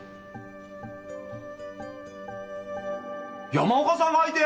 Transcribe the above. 山岡さんが相手！？